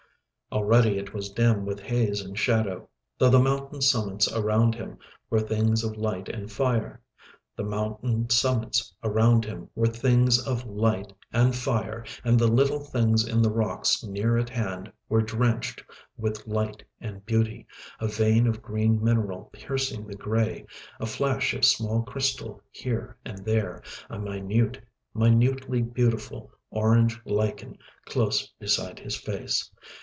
Already it was dim with haze and shadow, though the mountain summits around him were things of light and fire. The mountain summits around him were things of light and fire, and the little things in the rocks near at hand were drenched with light and beauty, a vein of green mineral piercing the grey, a flash of small crystal here and there, a minute, minutely beautiful orange lichen close beside his face.